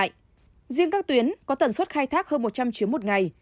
giai đoạn ba riêng các tuyến có tần suất khai thác hơn một trăm linh chiếm một ngày